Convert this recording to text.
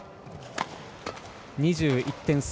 ２１点制。